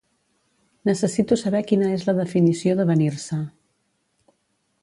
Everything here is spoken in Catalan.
Necessito saber quina és la definició d'avenir-se.